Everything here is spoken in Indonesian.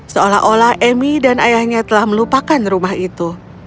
seolah olah emy dan ayahnya telah melupakan rumah itu